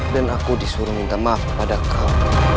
dan aku disuruh minta maaf kepada kau